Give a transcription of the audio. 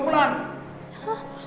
hah sama wans